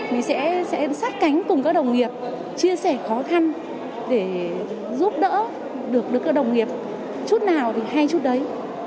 mình sẽ sát cánh cùng các đồng nghiệp chia sẻ khó khăn để giúp đỡ được các đồng nghiệp chút nào thì hay chút đấy